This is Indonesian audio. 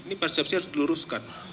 ini persepsi harus diluruskan